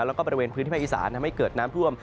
แล้วก็บริเวณพื้นที่ภาคอีสานทำให้เกิดน้ำท่วม